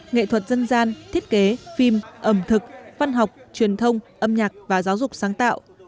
nghệ thuật dân gian thiết kế phim ẩm thực văn học truyền thông âm nhạc và giáo dục sáng tạo